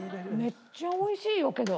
めっちゃ美味しいよけど。